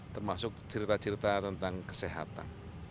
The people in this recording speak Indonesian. termasuk cerita cerita tentang kesehatan